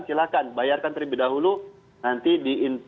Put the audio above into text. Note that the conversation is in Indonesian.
silahkan bayarkan terlebih dahulu nanti diinfo